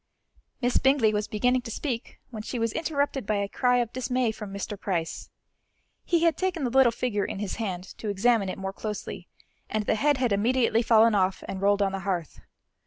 Miss Bingley was beginning to speak when she was interrupted by a cry of dismay from Mr. Price. He had taken the little figure in his hand to examine it more closely, and the head had immediately fallen off and rolled on the hearth.